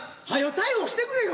逮捕してくれよ！